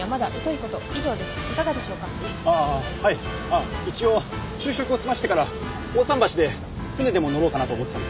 あっ一応昼食を済ましてから大さん橋で船でも乗ろうかなと思ってたんですけれど。